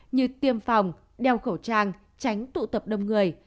như tiêm phòng đeo khẩu trang tránh tụ tập đông người